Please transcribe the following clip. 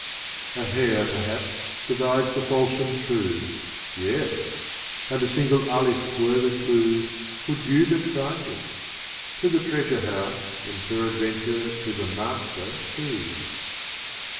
L. A Hair perhaps divides the False and True; Yes; and a single Alif were the clue — Could you but find it — to the Treasure house, And peradventure to The Master too; *9 LI.